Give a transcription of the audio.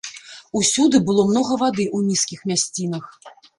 Усюды было многа вады ў нізкіх мясцінах.